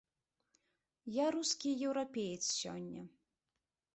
Я рускі еўрапеец сёння.